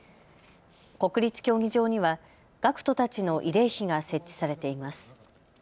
国立競技場には学徒たちの慰霊碑が設置されています。